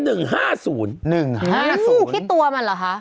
สู้ที่ตัวมันเหรอคะ